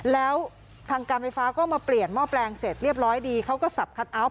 แล้วทางการไฟฟ้าก็มาเปลี่ยนหม้อแปลงเสร็จเรียบร้อยดีเขาก็สับคัทเอาท